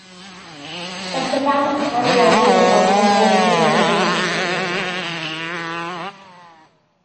Daeth y fam ataf i ofyn a daflwn ddernyn arian drosti i'r het.